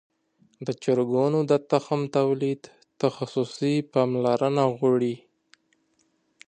د چرګانو د تخم تولید تخصصي پاملرنه غواړي.